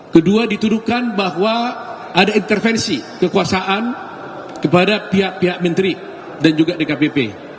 kedua dituduhkan bahwa ada intervensi kekuasaan kepada pihak pihak menteri dan juga dkpp